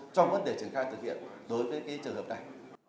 trong vấn đề triển khai thực hiện đối với cái trường hợp này